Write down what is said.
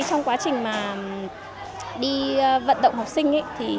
trong quá trình đi vận động học sinh